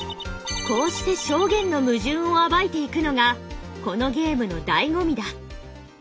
こうして証言のムジュンを暴いていくのがこのゲームのだいご味だ。